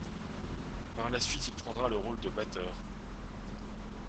Par la suite il prendra le rôle de batteur.